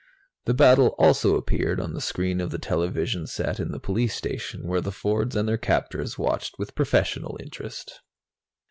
The battle also appeared on the screen of the television set in the police station, where the Fords and their captors watched with professional interest.